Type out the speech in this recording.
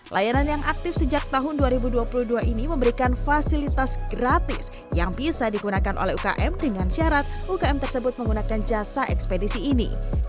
layanan yang aktif sejak tahun dua ribu dua puluh dua ini memberikan fasilitas gratis yang bisa digunakan oleh ukm dengan syarat ukm tersebut menggunakan jasa ekspedisi ini